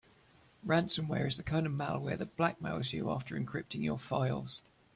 Ransomware is the kind of malware that blackmails you after encrypting your files.